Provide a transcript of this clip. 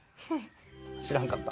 知らんかった？